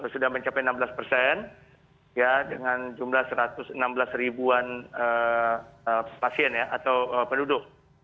sudah mencapai enam belas persen dengan jumlah satu ratus enam belas ribuan pasien ya atau penduduk